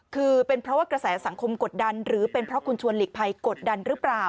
คือเป็นเพราะว่ากระแสสังคมกดดันหรือเป็นเพราะคุณชวนหลีกภัยกดดันหรือเปล่า